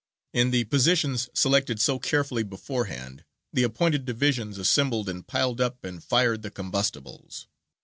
In the positions selected so carefully beforehand, the appointed divisions assembled and piled up and fired the combustibles.